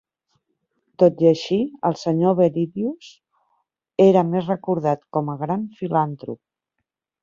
Tot i així, el Sr. Belilios era més recordat com a gran filantrop.